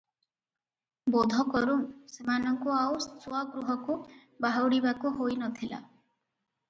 ବୋଧ କରୁଁ, ସେମାନଙ୍କୁ ଆଉ ସ୍ୱଗୃହକୁ ବାହୁଡ଼ିବାକୁ ହୋଇ ନ ଥିଲା ।